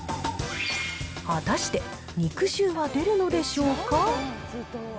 果たして肉汁は出るのでしょうか。